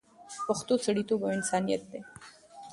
پښتو سړیتوب او انسانیت دی